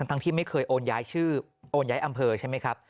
ทั้งที่ไม่เคยโอนย้ายชื่อโอนย้ายอำเภอใช่ไหมครับ